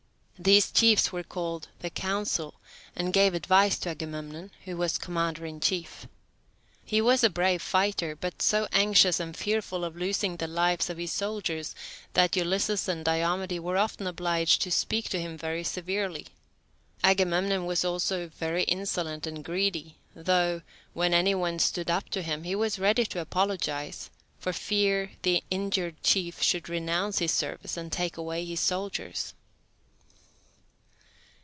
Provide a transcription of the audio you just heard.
These chiefs were called the Council, and gave advice to Agamemnon, who was commander in chief. He was a brave fighter, but so anxious and fearful of losing the lives of his soldiers that Ulysses and Diomede were often obliged to speak to him very severely. Agamemnon was also very insolent and greedy, though, when anybody stood up to him, he was ready to apologise, for fear the injured chief should renounce his service and take away his soldiers.